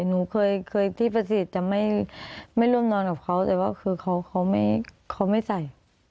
หนูเคยที่ประสิทธิ์จะไม่ร่วมนอนกับเขาแต่ว่าคือเขาไม่ใส่